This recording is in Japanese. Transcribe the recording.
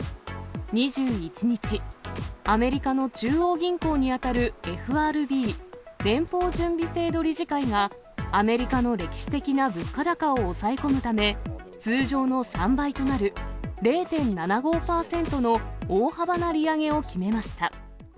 ２１日、アメリカの中央銀行に当たるＦＲＢ・連邦準備制度理事会が、アメリカの歴史的な物価高を抑え込むため、通常の３倍となる０．７５％の大幅な利上げを決めました。